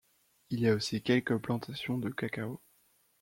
Il y a aussi quelques plantations de cacao.